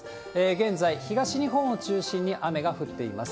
現在、東日本を中心に雨が降っています。